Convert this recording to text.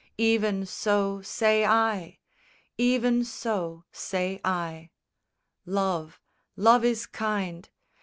Even so say I; Even so say I. IV Love, love is kind!